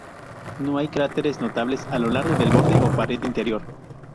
No hay cráteres notables a lo largo del borde o pared interior.